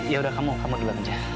yaudah kamu kamu duluan aja